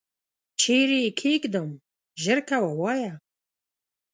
چیري یې کښېږدم ؟ ژر کوه ووایه !